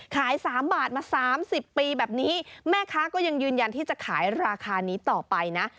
ขาย๓บาทมา๓๐ปีแบบนี้แม่ค้าก็ยังยืนยันที่จะขายราคานี้ต่อไปนะ